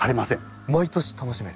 毎年楽しめる。